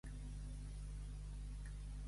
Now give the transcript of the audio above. Sembrar la zitzània.